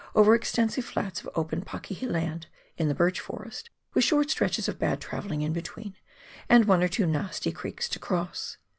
over extensive flats of open "pakihi" land, in the birch forest, with short stretches of bad travelling in between, and one or two nasty creeks to cross.